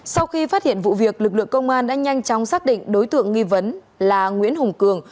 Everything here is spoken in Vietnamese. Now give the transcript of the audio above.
sau khi phát hiện vụ việc lực lượng công an đã nhanh chóng xác định đối tượng nghi vấn là nguyễn hùng cường